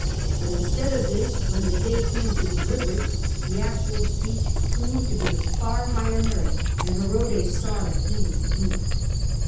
But instead of this, when the day came to deliver it, the actual speech proved to be of far higher merit, and Herodes saw that he was duped.